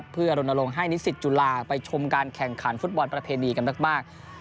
เพื่ออร่อยลงให้นิสิทธิ์จุฬาไปชมการแข่งขันฟุตบอลประเทศดีกำลังบาก